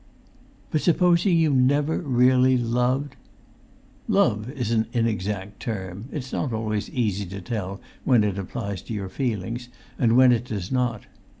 "But supposing you never really loved——" "Love is an inexact term; it's not always easy to tell when it applies to your feelings, and when it does not.